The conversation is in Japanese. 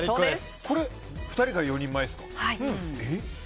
２人から４人前ですか？